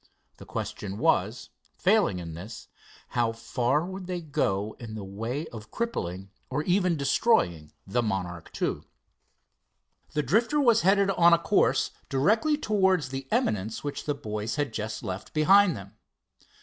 The question was, failing in this, how, far would they go in the way of crippling or even destroying the Monarch II. The Drifter was headed on a course directly towards the eminence which the boys had just left behind them.